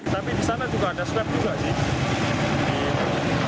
tapi di sana juga ada swab juga sih